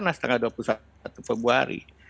nah setengah dua puluh satu februari